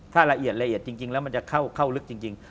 ถ้าละเอียดละเอียดจริงแล้วมันจะเข้าลึกจริง